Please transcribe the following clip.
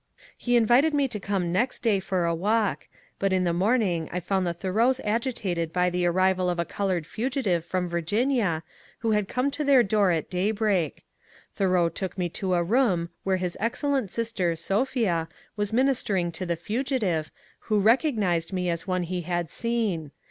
He invited me to come next day for a walk, but in the morning I found the Thoreaus agitated by the arrival of a coloured fugitive from Virginia, who had come to their door at daybreak. Tboreau took me to a room where his excellent sister, Sophia, was ministering to the fugitive, who recog nized me as one he had seen.